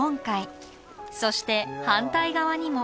そして反対側にも。